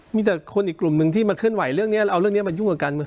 มีแต่คนอีกกลุ่มหนึ่งที่มาเคลื่อนไหวเรื่องนี้เราเอาเรื่องนี้มายุ่งกับการเมือง